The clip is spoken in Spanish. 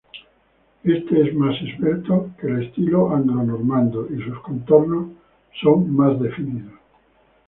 Éste es más esbelto que el estilo anglonormando y sus contornos son más definidos.